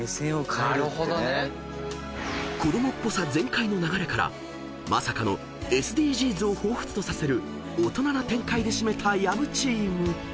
［子供っぽさ全開の流れからまさかのＳＤＧｓをほうふつとさせる大人な展開で締めた薮チーム］